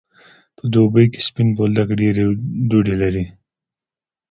په دوبی کی سپین بولدک ډیری دوړی لری.